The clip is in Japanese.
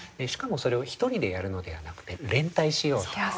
しかもそれを一人でやるのではなくて連帯しようと。